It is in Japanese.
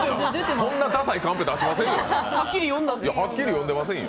そんなダサいカンペ出しませんよ。